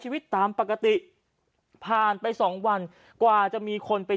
ชาวบ้านญาติโปรดแค้นไปดูภาพบรรยากาศขณะ